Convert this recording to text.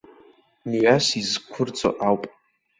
Мҩас изқәырҵо ауп.